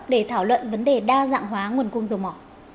để thảo luận vấn đề đa dạng hóa nguồn cung dầu mỏ